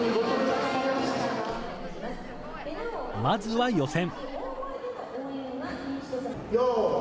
まずは予選。